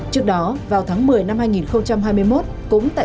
trước đó vào tháng một mươi năm hai nghìn hai mươi một